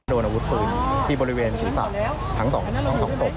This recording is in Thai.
โดนอาวุธปืนที่บริเวณศูนย์ศาสตร์ทั้งสองทั้งสองตก